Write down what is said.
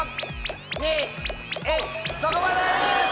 そこまで！